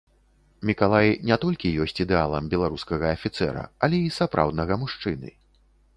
Мікалай не толькі ёсць ідэалам беларускага афіцэра, але і сапраўднага мужчыны.